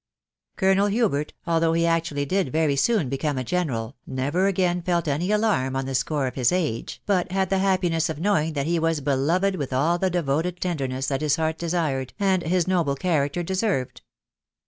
Colonel Hubert, although he actually did very soon become a general, never again felt any alarm on the score of his age, but had the happiness of knowing that he was beloved with all the devoted tenderness that his heart desired, and his noble character deserved.